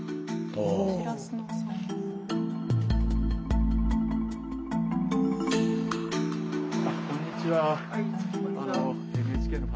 はいこんにちは。